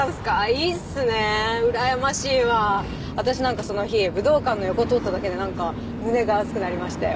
いいっすね羨ましいわ私なんかその日武道館の横通っただけでなんか胸が熱くなりましたよ